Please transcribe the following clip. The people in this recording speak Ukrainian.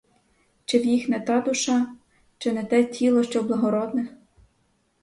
Чи в їх не та душа, чи не те тіло, що в благородних?